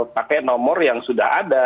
pakai nomor yang sudah ada